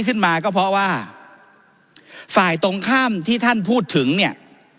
ขึ้นมาก็เพราะว่าฝ่ายตรงข้ามที่ท่านพูดถึงเนี่ย